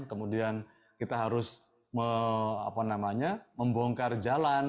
kemudian kita harus membongkar jalan